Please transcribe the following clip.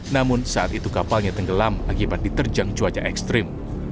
namun saat itu kapalnya tenggelam akibat diterjang cuaca ekstrim